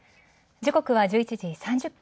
時刻は１１時３０分。